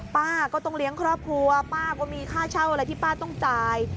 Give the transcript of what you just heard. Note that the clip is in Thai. ป้าก็ต้องเลี้ยงครอบครัวป้าก็มีค่าเช่าอะไรที่ป้าต้องจ่าย